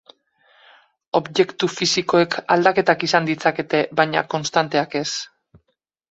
Objektu fisikoek aldaketak izan ditzakete, baina konstanteak ez.